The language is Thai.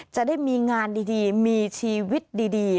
จะได้มีงานดีมีชีวิตดี